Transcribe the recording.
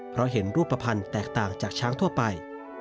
เพราะเห็นรูปภัณฑ์แตกต่างจากช้างทั่วไป